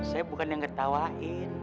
saya bukan yang tertawain